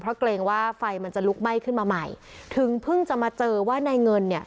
เพราะเกรงว่าไฟมันจะลุกไหม้ขึ้นมาใหม่ถึงเพิ่งจะมาเจอว่านายเงินเนี่ย